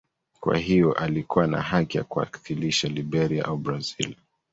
Kwa hiyo alikuwa na haki ya kuwakilisha Liberia au Brazil.